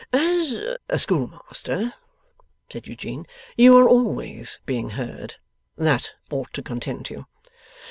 'As a schoolmaster,' said Eugene, 'you are always being heard. That ought to content you.